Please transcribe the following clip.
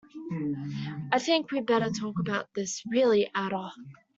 I think we had better talk about this, really, Ada.